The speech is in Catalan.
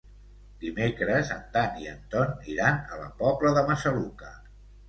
Dimecres en Dan i en Ton iran a la Pobla de Massaluca.